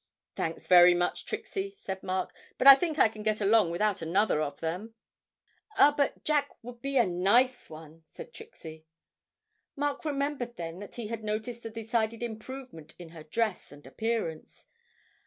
'Thanks very much, Trixie,' said Mark, 'but I think I can get along without another of them.' 'Ah, but Jack would be a nice one,' said Trixie. Mark remembered then that he had noticed a decided improvement in her dress and appearance.